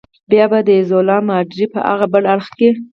بیا به د ایزولا ماډرې په هاغه بل اړخ کې.